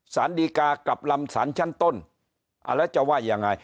สารดีกากลับลำสารชั้นต้นแล้วจะว่ายังไง